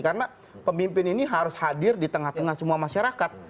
karena pemimpin ini harus hadir di tengah tengah semua masyarakat